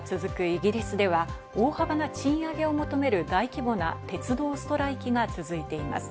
イギリスでは、大幅な賃上げを求める大規模な鉄道ストライキが続いています。